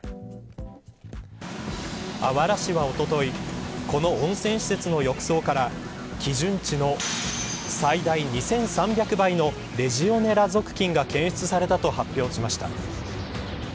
あわら市は、おとといこの温泉施設の浴槽から基準値の最大２３００倍のレジオネラ属菌が検出されたと発表しました。